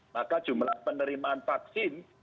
maka jumlah penerimaan vaksin